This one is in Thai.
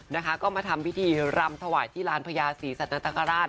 นะคะก็มาทำพิธีรำถวายที่ลานพญาศรีสัตนคราช